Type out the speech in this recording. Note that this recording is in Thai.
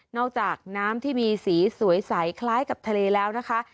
จากน้ำที่มีสีสวยใสคล้ายกับทะเลแล้วนะคะ